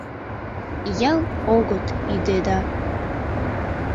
— Ял огыт ӱдӧ да...